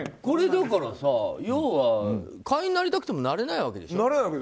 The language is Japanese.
だからさ、要は会員になりたくてもなれないわけでしょ？